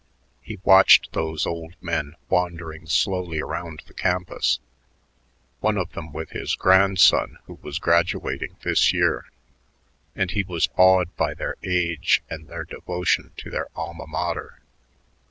He watched those old men wandering slowly around the campus, one of them with his grandson who was graduating this year, and he was awed by their age and their devotion to their alma mater.